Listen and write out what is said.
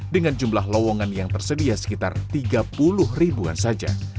dengan jumlah lowongan yang tersedia sekitar tiga puluh ribuan saja